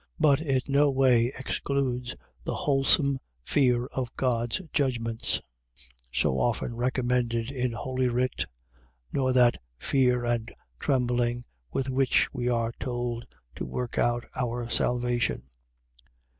But it no way excludes the wholesome fear of God's judgments, so often recomended in holy writ; nor that fear and trembling, with which we are told to work out our salvation.